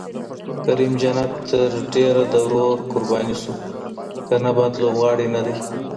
کریم جنت تر ډېره د ورور قرباني شو، که نه بد لوبغاړی نه دی.